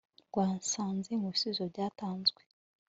rwasanze mu bisubizo byatanzwe